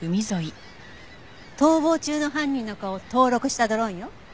逃亡中の犯人の顔を登録したドローンよ。